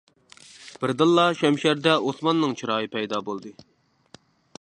بىردىنلا شەمشەردە ئوسماننىڭ چىرايى پەيدا بولدى.